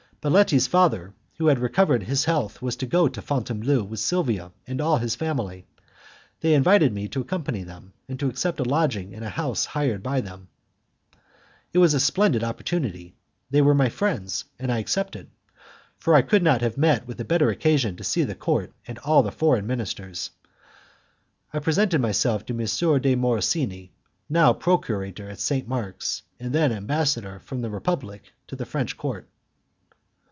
Baletti's father, who had recovered his health, was to go to Fontainebleau with Silvia and all his family. They invited me to accompany them, and to accept a lodging in a house hired by them. It was a splendid opportunity; they were my friends, and I accepted, for I could not have met with a better occasion to see the court and all the foreign ministers. I presented myself to M. de Morosini, now Procurator at St. Mark's, and then ambassador from the Republic to the French court.